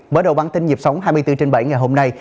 mở đầu bản tin nhịp sống hai mươi bốn trên bảy ngày hôm nay